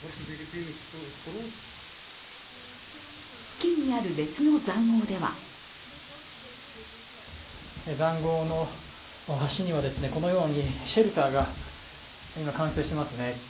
付近にある別の塹壕では塹壕の端にはこのようにシェルターが今、完成していますね。